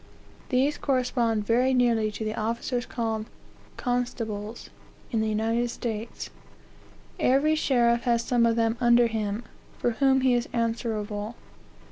These correspond very nearly to the officers called constables in the United States. Every sheriff has someof them under him, for whom he is answerable.